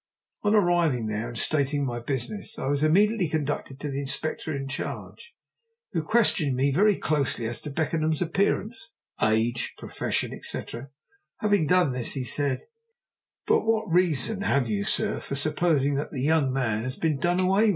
On arriving there and stating my business I was immediately conducted to the inspector in charge, who questioned me very closely as to Beckenham's appearance, age, profession, etc. Having done this, he said: "But what reason have you, sir, for supposing that the young man has been done away with?